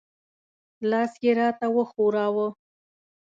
لاس یې را ته وښوراوه.